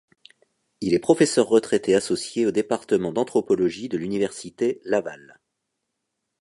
Il est professeur retraité associé au département d'anthropologie de l'Université Laval.